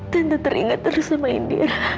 tante teringat terus sama aida